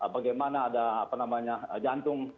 bagaimana ada jantung